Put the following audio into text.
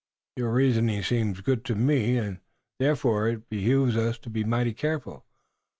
"Your reasoning seems good to me, and, therefore, it behooves us to be mighty careful.